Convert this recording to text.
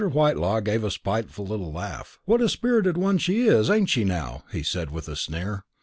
Whitelaw gave a spiteful little laugh. "What a spirited one she is, ain't she, now?" he said with a sneer.